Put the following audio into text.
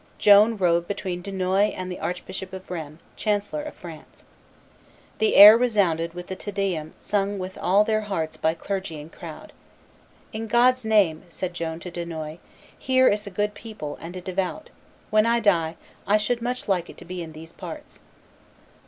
Joan rode between Dunois and the Archbishop of Rheims, chancellor of France. The air resounded with the Te Deum sung with all their hearts by clergy and crowd. "In God's name," said Joan to Dunois, "here is a good people and a devout when I die, I should much like it to be in these parts."